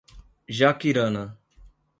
Jaquirana